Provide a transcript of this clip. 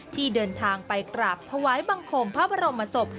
ที่เดินทางไปกราบถวายบังคมพระบรมศพ